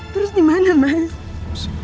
terus dimana mas